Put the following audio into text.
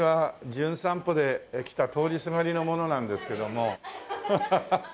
『じゅん散歩』で来た通りすがりの者なんですけどもハハハ！